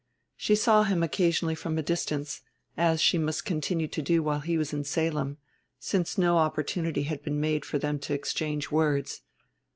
She saw him occasionally from a distance, as she must continue to do while he was in Salem, since no opportunity had been made for them to exchange words.